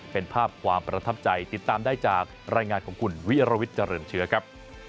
เป็นภาพความประทับใจติดตามได้จากรายงานของคุณวิรวิทย์เจริญเชื้อครับ